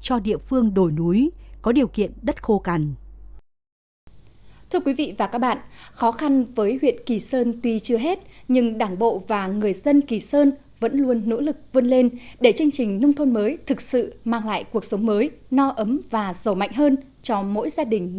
cho điệu phát triển cho tiêu chí nâng cao thu nhập